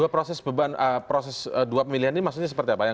dua proses beban proses dua pemilihan ini maksudnya seperti apa yang